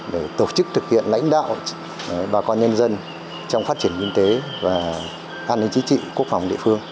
để tổ chức thực hiện lãnh đạo bà con nhân dân trong phát triển kinh tế và an ninh chí trị quốc phòng địa phương